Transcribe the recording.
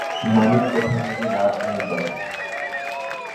মানের কথা ভেবে লাভ নেই দাদা।